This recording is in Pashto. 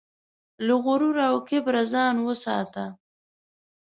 له غرور او کبره ځان وساته.